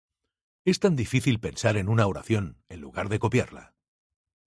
¿Es tan difícil pensar en una oración en lugar de copiarla?